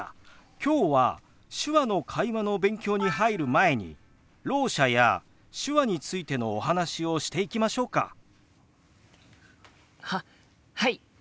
今日は手話の会話の勉強に入る前にろう者や手話についてのお話をしていきましょうか。ははい！